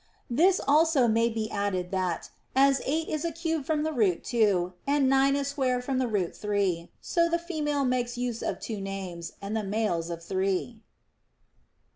This also may be added that, as eight is a cube from the root two, and nine a square from the root three, so the female makes use of two names, and the males of three.